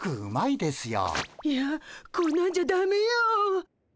いやこんなんじゃダメよ。